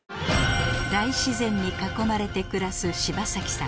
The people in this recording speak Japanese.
大自然に囲まれて暮らす柴咲さん